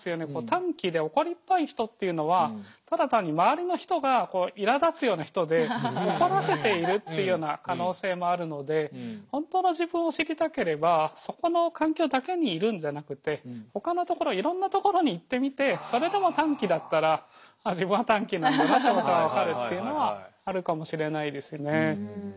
短気で怒りっぽい人っていうのはただ単に周りの人がいらだつような人で怒らせているっていうような可能性もあるので本当の自分を知りたければそこの環境だけにいるんじゃなくてほかの所いろんな所に行ってみてそれでも短気だったらあっ自分は短気なんだなってことが分かるっていうのはあるかもしれないですね。